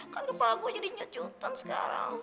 kan kepala gue jadi nyejutan sekarang